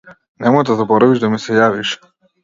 Немој да заборавиш да ми се јавиш.